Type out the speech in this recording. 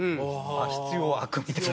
必要悪みたいな。